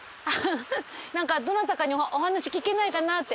なんかどなたかにお話聞けないかなって。